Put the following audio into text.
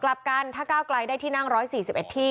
กลับกันถ้าก้าวไกลได้ที่นั่ง๑๔๑ที่